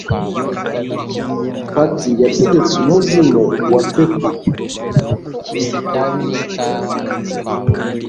Pat yategetse umuzimu wa pepper.